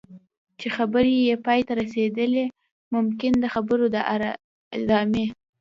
چې خبرې یې پای ته رسېدلي ممکن د خبرو د ادامې.